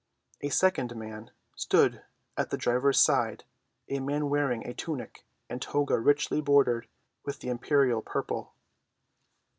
A second man stood at the driver's side, a man wearing a tunic and toga richly bordered with the imperial purple.